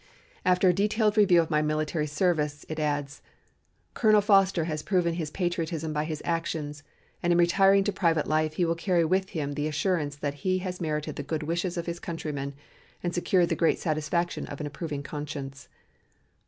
After a detailed review of my military service, it adds: Colonel Foster has proven his patriotism by his actions and in retiring to private life he will carry with him the assurance that he has merited the good wishes of his countrymen and secured the great satisfaction of an approving conscience.